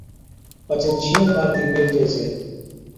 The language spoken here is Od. پڇي ڇِيڻا ٻاڙتِي ميلهجي ڇَي